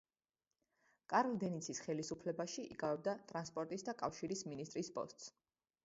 კარლ დენიცის ხელისუფლებაში იკავებდა ტრანსპორტის და კავშირის მინისტრის პოსტს.